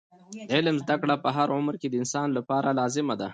د علم زده کړه په هر عمر کې د انسان لپاره لازمه ده.